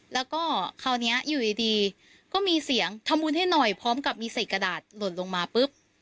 แล้วก็คราวนี้อยู่ดีก็มีเสียงทำบุญให้หน่อยพร้อมกับมีเศษกระดาษหล่นลงมาปุ๊บ